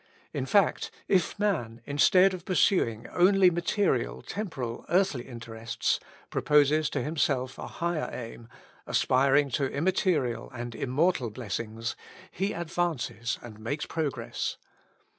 In fact, if man, instead of pursuing only material, temporal, earthly interests, proposes to himself a higher aim, aspiring to immaterial and immortal blessings, he advances and makes progress.